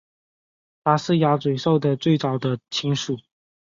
它是鸭嘴兽的最早的亲属。